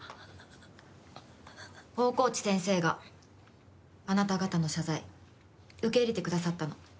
大河内先生があなた方の謝罪受け入れてくださったの。